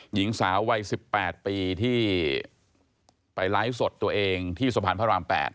หญิงสาววัย๑๘ปีที่ไปไลฟ์สดตัวเองที่สะพานพระราม๘